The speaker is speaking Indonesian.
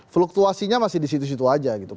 fluktuasinya masih disitu situ aja gitu